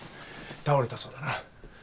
倒れたそうだな？